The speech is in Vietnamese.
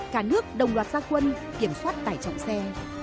cả nước đồng loạt gia quân kiểm soát tải trọng xe